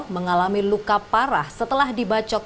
mengalami luka parah setelah dibacok